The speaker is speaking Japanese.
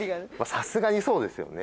さすがにそうですよね。